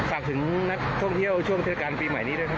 ฝากถึงนักท่องเที่ยวช่วงเทศกาลปีใหม่นี้ด้วยครับ